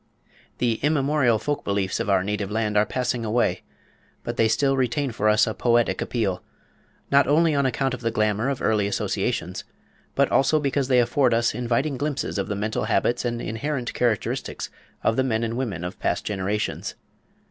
The immemorial folk beliefs of our native land are passing away, but they still retain for us a poetic appeal, not only on account of the glamour of early associations, but also because they afford us inviting glimpses of the mental habits and inherent characteristics of the men and women of past generations.